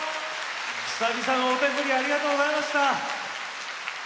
久々のお手振りありがとうございました。